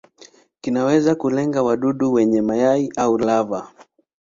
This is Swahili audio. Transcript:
Kinaweza kulenga wadudu wenyewe, mayai au lava.